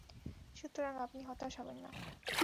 সুতরাং আপনি হতাশ হবেন না।